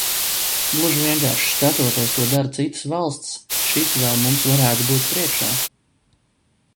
Gluži vienkārši, skatoties, ko dara citas valstis, šis vēl mums varētu būt priekšā.